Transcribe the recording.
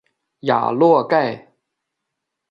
雅洛盖。